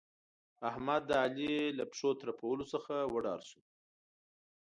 احمد؛ د علي له پښو ترپولو څخه وډار شو.